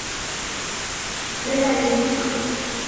Reda nimduke